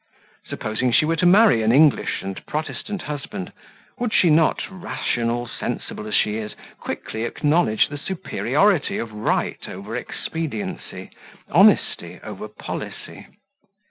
Supposing she were to marry an English and Protestant husband, would she not, rational, sensible as she is, quickly acknowledge the superiority of right over expediency, honesty over policy?